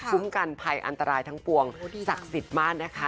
กันภัยอันตรายทั้งปวงศักดิ์สิทธิ์มากนะคะ